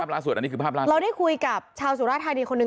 เราได้คุยกับชาวสุราชธารณีย์คนหนึ่ง